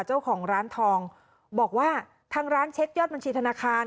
เจ้าของร้านทองบอกว่าทางร้านเช็คยอดบัญชีธนาคาร